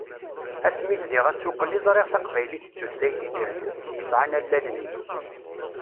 Asmi bdiɣ asuqel i ẓriɣ taqbaylit d tutlayt iǧehden, yesɛan allalen-is.